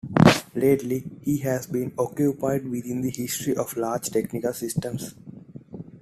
Lately, he has been occupied with the history of Large Technical Systems.